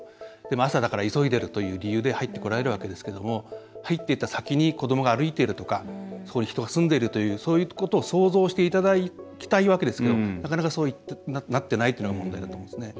朝だから急いでるという理由で入ってこられるわけですけれども入っていった先に子どもが歩いているとかそこに人が住んでるというそういうことを想像していただきたいわけですがなかなか、そうなっていないというのが問題だと思いますね。